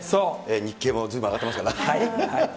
日経もずいぶん上がってますから。